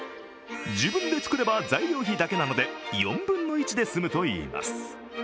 自分で作れば材料費だけなので４分の１で済むといいます。